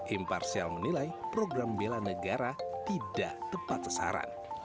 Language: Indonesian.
imparsial menilai program bela negara tidak tepat sasaran